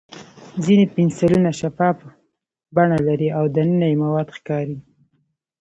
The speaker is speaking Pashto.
ځینې پنسلونه شفاف بڼه لري او دننه یې مواد ښکاري.